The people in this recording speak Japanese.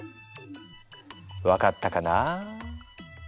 分かったかな？